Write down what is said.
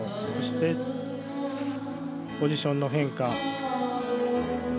そして、ポジションの変化。